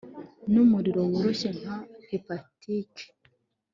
Numuriro woroshye nka hepatike